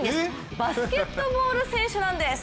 バスケットボール選手なんです。